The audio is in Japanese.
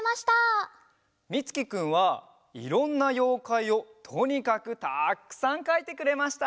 みつきくんはいろんなようかいをとにかくたくさんかいてくれました。